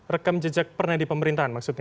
rekam jejak pernah di pemerintahan maksudnya